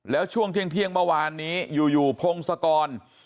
แล้วช่วงเที่ยงเที่ยงเมื่อวานนี้อยู่อยู่พงศกร